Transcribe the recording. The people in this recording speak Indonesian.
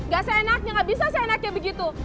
gak seenaknya nggak bisa seenaknya begitu